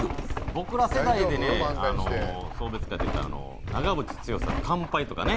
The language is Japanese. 僕ら世代でね送別会っていったら長渕剛さんの『乾杯』とかね。